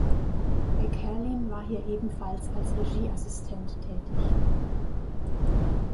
Weckherlin war hier ebenfalls als Regieassistent tätig.